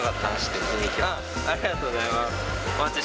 ありがとうございます。